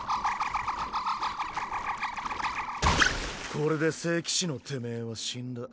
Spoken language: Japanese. これで聖騎士のてめぇは死んだ。